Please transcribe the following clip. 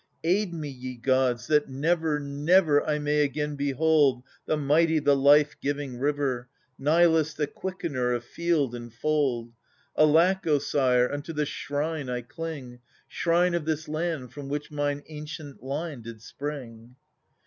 Aid me, ye gods, that never, never I may again behold The mighty, the life giving river, > Nilus, the quickener of field and fold ! Alack, O sire, unto the shrine I cling — Shrine of this land from which mine ancient line did spring.